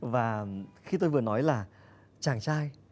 và khi tôi vừa nói là chàng trai